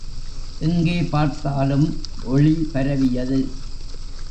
எங்கே பார்த்தாலும் ஒளி பரவியது.